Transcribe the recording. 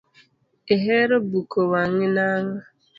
Ihero buko wangi nango?